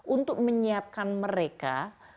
untuk menyiapkan mereka